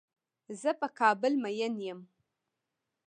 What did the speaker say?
زۀ په کابل مين يم.